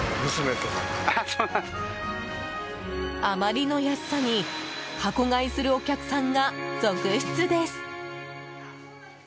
あまりの安さに箱買いするお客さんが続出です。